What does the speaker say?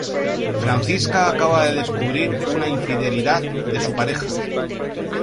Francisca acaba de descubrir una infidelidad de su pareja.